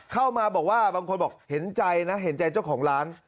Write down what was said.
เข้ามาบอกว่าบางคนบอกเห็นใจนะเห็นใจเจ้าของร้าน